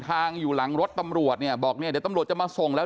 ทางอยู่หลังรถตำรวจเนี่ยบอกเนี่ยเดี๋ยวตำรวจจะมาส่งแล้ว